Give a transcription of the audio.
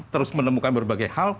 terus menemukan berbagai hal